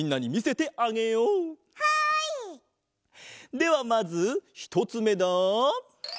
ではまずひとつめだ。